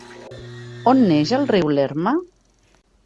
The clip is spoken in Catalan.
On neix el riu Lerma?